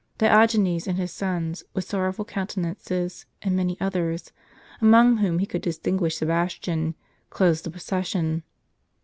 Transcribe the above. Diogenes and his sons, with sorrowful countenances, and many others, among whom he could distinguish Sebastian, closed the procession.